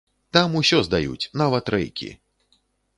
Там усё здаюць, нават рэйкі.